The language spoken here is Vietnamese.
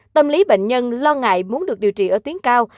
tâm lý bệnh nhân lo ngại muốn được điều trị ở tuyến cao